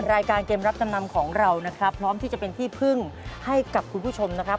รายการเกมรับจำนำของเรานะครับพร้อมที่จะเป็นที่พึ่งให้กับคุณผู้ชมนะครับ